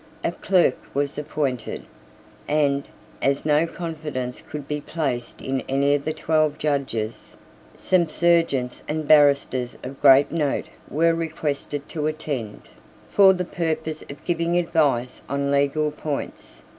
A clerk was appointed: and, as no confidence could be placed in any of the twelve judges, some serjeants and barristers of great note were requested to attend, for the purpose of giving advice on legal points.